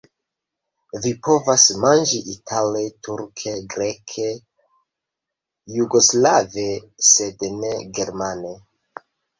Vi povas manĝi itale, turke, greke, jugoslave, sed ne germane.